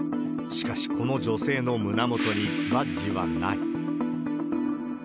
しかし、この女性の胸元にバッジはない。